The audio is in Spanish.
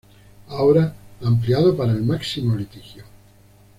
Ahora ampliado para el máximo litigio.